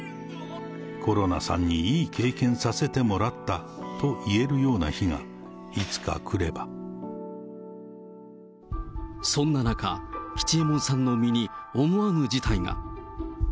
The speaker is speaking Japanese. コロナさんにいい経験させてもらった、と言えるような日がいつかそんな中、吉右衛門さんの身に思わぬ事態が。